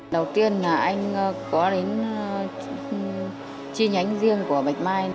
đầu tiên là anh có đến chi nhánh riêng của bạch mai